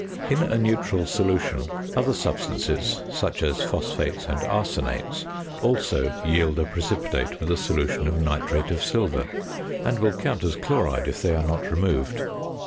In a neutral solution, other substances (such as phosphates and arsenates) also yield a precipitate with a solution of nitrate of silver; and will count as chloride if they are not removed.